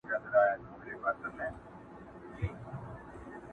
پر حجره یې لکه مار وګرځېدمه!!